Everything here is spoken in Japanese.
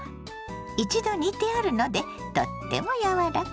一度煮てあるのでとっても柔らか。